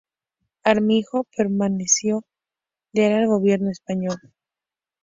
Armijo permaneció leal al gobierno español.